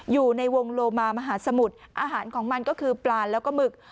อยู่ในวงโลมามหาสมุทรอาหารของมันก็คือปลาแล้วก็หมึก